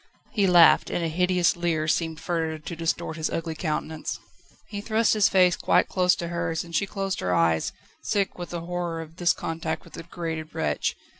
He laughed, and a hideous leer seemed further to distort his ugly countenance. He thrust his face quite close to hers, and she closed her eyes, sick with the horror of this contact with the degraded wretch.